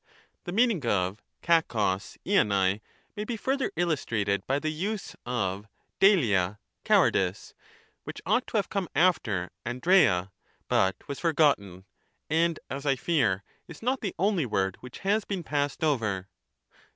The meaning of KaKtbq ievai may be further illustrated by the use of 6eiXia (cowardice), which ought to have come after dvSpeia, but was forgotten, and, as I fear, is not the only word which has been passed over.